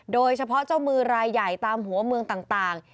โดยเฉพาะเจ้ามือรายใหญ่ตามหัวเมืองต่าง